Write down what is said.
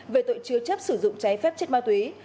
về tội chứa chấp sử dụng trái phép chất ma túy